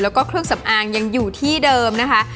แล้วก็เครื่องสำอางยังอยู่ที่เดิมนะคะ